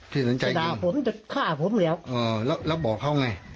ศีละใช่ไง